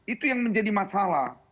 itu yang menjadi masalah